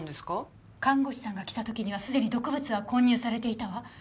看護師さんが来た時には既に毒物は混入されていたわ。